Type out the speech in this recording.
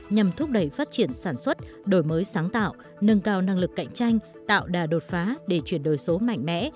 nhằm thúc đẩy phát triển sản xuất đổi mới sáng tạo nâng cao năng lực cạnh tranh tạo đà đột phá để chuyển đổi số mạnh mẽ